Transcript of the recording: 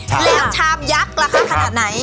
แล้วชาวยักษ์ล่ะคะขนาดไหน